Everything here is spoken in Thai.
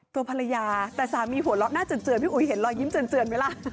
ตัวภรรยาแต่สามีหัวเราะหน้าเจือนพี่อุ๋ยเห็นรอยยิ้มเจือนไหมล่ะ